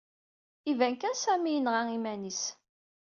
Iban kan Sami yenɣa iman-is.